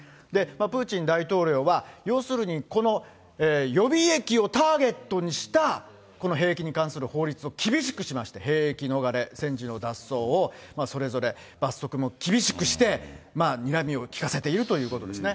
プーチン大統領は、要するにこの予備役をターゲットにした、この兵役に関する法律を厳しくしまして、兵役逃れ、戦時の脱走を、それぞれ罰則も厳しくして、にらみを利かせてるということですね。